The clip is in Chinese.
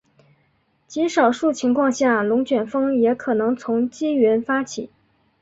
极少数情况下龙卷风也可能从积云发起。